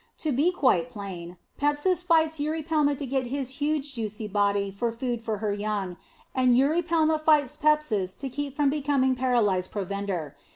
To be quite plain, Pepsis fights Eurypelma to get his huge, juicy body for food for her young; and Eurypelma fights Pepsis to keep from becoming paralyzed provender.